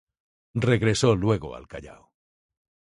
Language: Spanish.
Regresó luego al Callao.